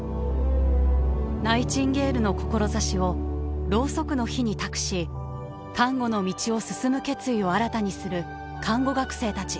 ナイチンゲールの志をろうそくの火に託し看護の道を進む決意を新たにする看護学生たち。